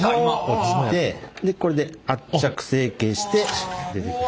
落ちてでこれで圧着成形して出てくる。